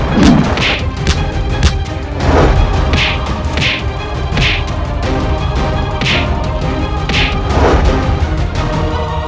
sampai etuk dia